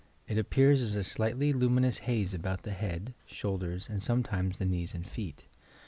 It ap pears as a slightly luminous haze about the bead, shoul ders and sometimes the knees and feet.